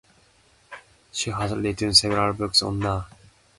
She has written several books on art.